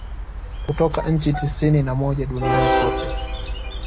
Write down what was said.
Kutoka nchi tisini na moja duniani kote